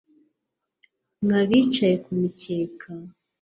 mwe abicaye ku mikeka